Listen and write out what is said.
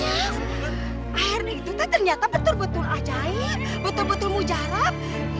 akhirnya itu ternyata betul betul ajaib betul betul mujarab